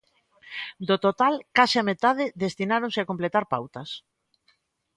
Do total, case a metade destináronse a completar pautas.